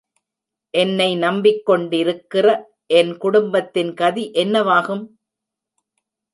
என்னை நம்பிக்கொண்டிருக்கிற என் குடும்பத்தின் கதி என்னவாகும்?